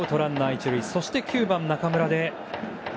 そして９番、中村です。